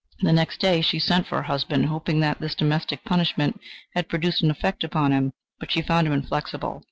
The next day she sent for her husband, hoping that this domestic punishment had produced an effect upon him, but she found him inflexible.